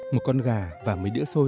một con gà và mấy đĩa xôi